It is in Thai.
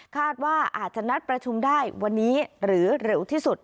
คาดว่าอาจจะนัดประชุมได้วันนี้หรือเร็วที่สุด